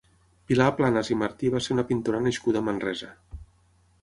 Pilar Planas i Martí va ser una pintora nascuda a Manresa.